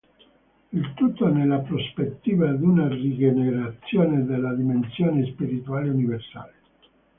Il tutto nella prospettiva di una rigenerazione della dimensione spirituale universale.